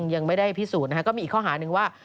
ยังไม่ได้พิสูจน์นะฮะก็มีอีกข้อหาหนึ่งว่า